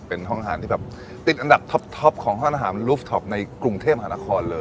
เป็นห้องอาหารที่แบบติดอันดับท็อปของห้องอาหารลูฟท็อปในกรุงเทพหานครเลย